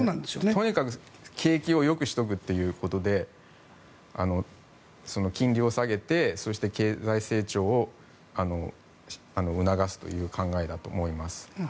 とにかく景気をよくしておくということで金利を下げてそして経済成長を促すという考えだと思います。